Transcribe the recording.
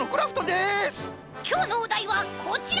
きょうのおだいはこちら！